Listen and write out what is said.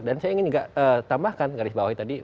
dan saya ingin juga tambahkan garis bawahnya tadi